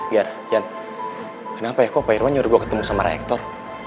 ger yan kenapa ya kok pak irwan nyuruh gua ketemu sama reaktor